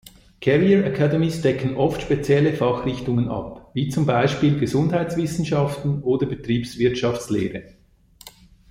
Career Academies decken oft spezielle Fachrichtungen ab, wie zum Beispiel Gesundheitswissenschaften oder Betriebswirtschaftslehre.